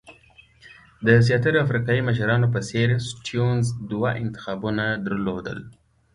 د زیاترو افریقایي مشرانو په څېر سټیونز دوه انتخابونه درلودل.